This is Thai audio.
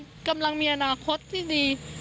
ใช่น้องกำลังมีอนาคตที่ดี